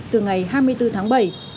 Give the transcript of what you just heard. từ ngày hai mươi bốn tháng bảy